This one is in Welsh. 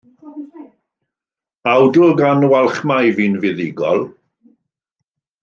Awdl gan Walchmai fu'n fuddugol.